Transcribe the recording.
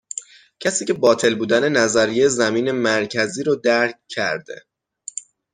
کسی که باطل بودن نظریه زمین مرکزی رو درک کرده،